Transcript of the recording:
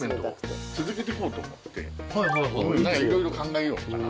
いろいろ考えようみたいな。